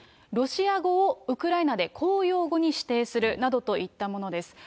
ロシア語をウクライナで公用語に指定するなどといったものです。